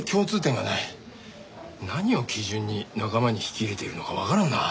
何を基準に仲間に引き入れているのかわからんな。